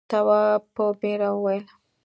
تواب په بېره وویل.